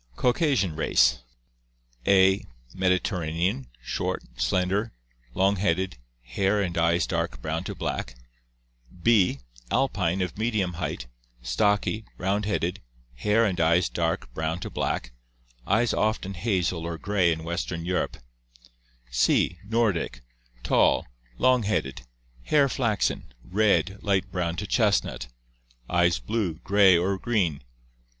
Caucasian race: A, Mediterranean, short, slender, long headed, hair and eyes dark brown to black; B, Alpine, of medium height, stocky, round headed, hair and eyes dark brown to black, eyes often hazel or gray in western Europe; C, Nordic, tall, long 654 ORGANIC EVOLUTION headed, hair flaxen, red, light brown to chestnut, eyes blue, gray, or green.